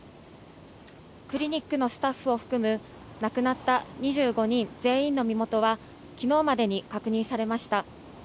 クリニックのスタッフを含む、亡くなった２５人全員の身元は、きのうまでに確認されました。